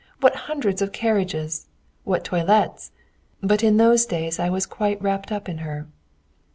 What hundreds of carriages! What toilets!... But in those days I was quite wrapped up in her.